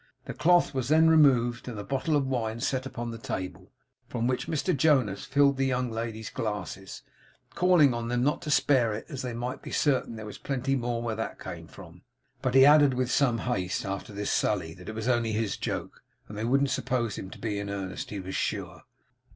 The cloth was then removed, and the bottle of wine set upon the table, from which Mr Jonas filled the young ladies' glasses, calling on them not to spare it, as they might be certain there was plenty more where that came from. But he added with some haste after this sally that it was only his joke, and they wouldn't suppose him to be in earnest, he was sure.